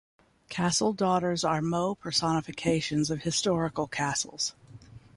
Castle daughters are "moe" personifications of historical castles.